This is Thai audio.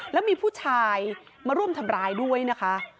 แล้วมีผู้ชายมาร่วมทำร้ายด้วยนะคะ